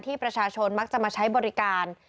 ประชาชนมักจะมาใช้บริการ